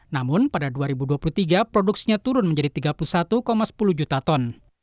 namun pada dua ribu dua puluh tiga produksinya turun menjadi tiga puluh satu sepuluh juta ton